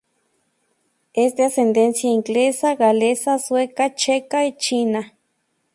Es de ascendencia inglesa, galesa, sueca, checa y china.